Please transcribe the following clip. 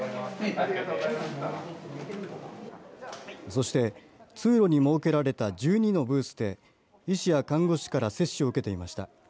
そして、通路に設けられた１２のブースで医師や看護師から接種を受けていました。